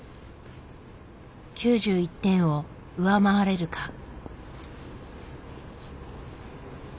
９１点を上回れるか？